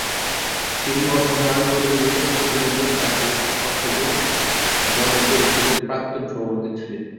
তিনি অসম আন্দোলন-এর অন্যতম নেতা ও অসম গণ পরিষদের প্রাক্তন সভাপতি ছিলেন।